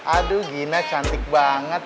aduh gina cantik banget